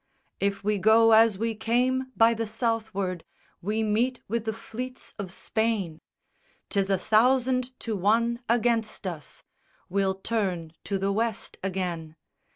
_ II _If we go as we came, by the Southward, we meet wi' the fleets of Spain! 'Tis a thousand to one against us: we'll turn to the West again!